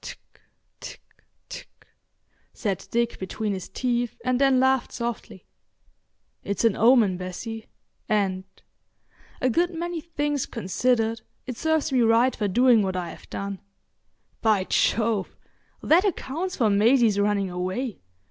"Tck—tck—tck," said Dick between his teeth, and then laughed softly. "It's an omen, Bessie, and—a good many things considered, it serves me right for doing what I have done. By Jove! that accounts for Maisie's running away.